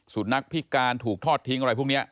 นักพิการถูกทอดทิ้งอะไรพวกนี้